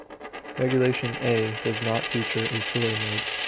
Regulation "A" does not feature a story mode.